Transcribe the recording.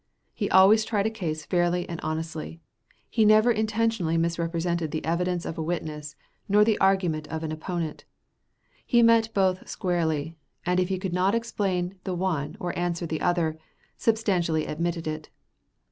He always tried a case fairly and honestly. He never intentionally misrepresented the evidence of a witness nor the argument of an opponent. He met both squarely, and if he could not explain the one or answer the other, substantially admitted it.